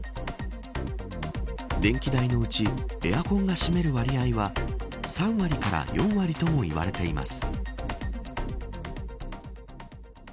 電気代のうちエアコンが占める割合は３割から４割ともいわれています。